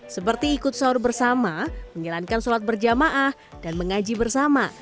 seperti ikut sahur bersama menjalankan sholat berjamaah dan mengaji bersama